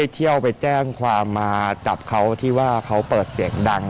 เที่ยวไปแจ้งความมาจับเขาที่ว่าเขาเปิดเสียงดัง